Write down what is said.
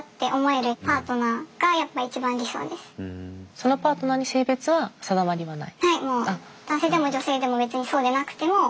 そのパートナーに性別は定まりはない？